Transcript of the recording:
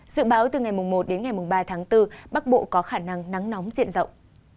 dự báo từ ngày một đến ngày ba tháng bốn bắc bộ có khả năng nắng nóng diện rộng